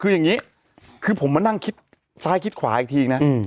คืออย่างนี้คือผมมานั่งคิดซ้ายคิดขวาอีกทีนะ